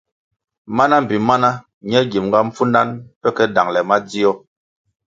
Mana mbpi mana ñe gimʼnga pfundanʼ pe ke dangʼle madzio.